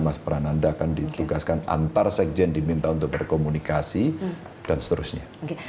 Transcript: mas prananda akan ditugaskan antar sekjen diminta untuk berkomunikasi dan seterusnya